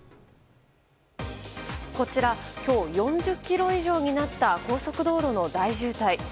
こちら今日４０ｋｍ以上になった高速道路の大渋滞。